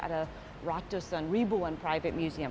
ada ratusan ribuan private museum